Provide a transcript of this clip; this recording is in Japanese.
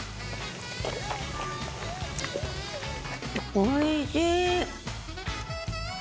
おいしい。